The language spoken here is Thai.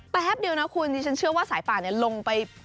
แป๊บเดียวนะคุณดิฉันเชื่อว่าสายป่าเนี่ยลงไป